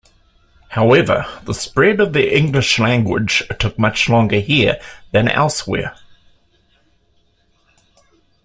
However the spread of the English language took much longer here than elsewhere.